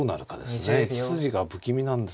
１筋が不気味なんですよね。